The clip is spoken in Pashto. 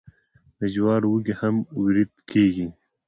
د جوارو وږي هم وریت کیږي.